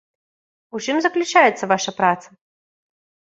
У чым заключаецца ваша праца?